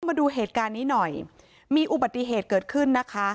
มาดูเหตุการณ์นี้หน่อยมีอุบัติเหตุเกิดขึ้นนะคะ